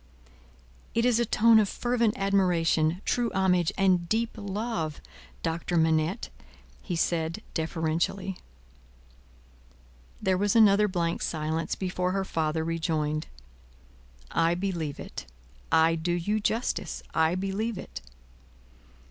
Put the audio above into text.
"It is a tone of fervent admiration, true homage, and deep love, Doctor Manette!" he said deferentially. There was another blank silence before her father rejoined: "I believe it. I do you justice; I believe it."